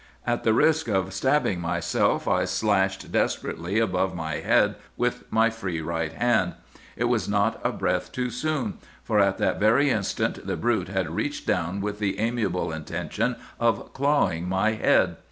"'At the risk of stabbing myself, I slashed desperately above my head with my free right hand. It was not a breath too soon; for at that very instant the brute had reached down with the amiable intention of clawing my head.